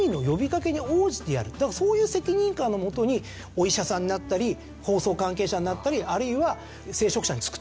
だからそういう責任感のもとにお医者さんになったり法曹関係者になったりあるいは聖職者に就くと。